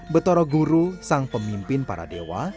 betoroguru sang pemimpin para dewa